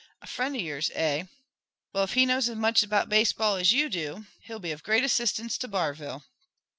"A friend of yours, eh? Well, if he knows as much about baseball as you do, he'll be of great assistance to Barville!"